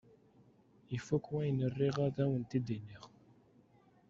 Ifuk wayen riɣ ad awen-t-id-iniɣ.